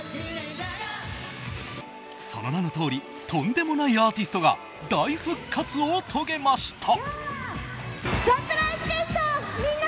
その名のとおりとんでもないアーティストが大復活を遂げました。